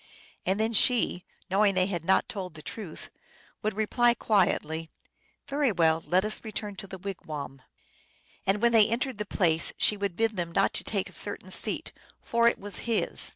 And then she, knowing they had not told the truth, would reply quietly, " Very well, let us return to the wigwam !" And when they entered the place she would bid them not to take a certain seat, for it was his.